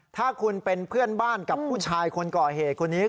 ถ้าคุณเป็นเพื่อนบ้านกับผู้ชายคนก่อเหตุคนนี้